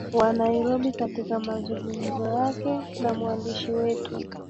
wa nairobi katika mazungumzo yake na mwandishi wetu